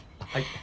はい。